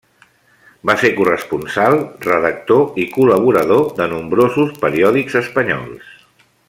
Va ser corresponsal, redactor i col·laborador de nombrosos periòdics espanyols.